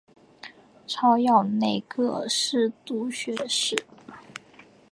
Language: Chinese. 超擢内阁侍读学士。